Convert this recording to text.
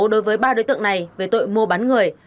đối với ba đối tượng này về tội mua bán người